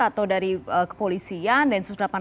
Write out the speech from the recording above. atau dari kepolisian dan sos delapan puluh delapan atau bagaimana